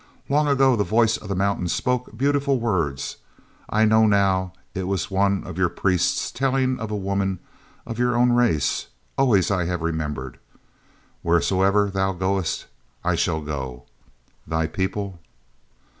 Long ago the voice of the mountain spoke beautiful words. I know now it was one of your priests telling of a woman of your own race. Always have I remembered. 'Wheresoever thou goest, I shall go; thy people....'"